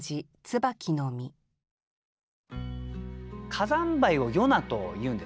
火山灰を「よな」というんですね。